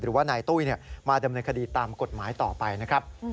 หรือว่านายตุ้ยมาดำเนินคดีตามกฎหมายต่อไปนะครับ